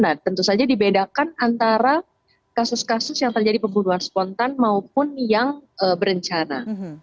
nah tentu saja dibedakan antara kasus kasus yang terjadi pembunuhan spontan maupun yang berencana